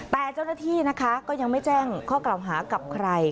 แต่เจ้าหน้าที่นะคะก็ยังไม่แจ้งข้อกล่าวหากับใคร